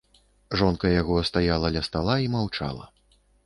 Жонка яго стаяла ля стала і маўчала.